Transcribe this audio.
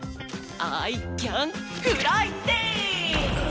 アイキャンフライデー！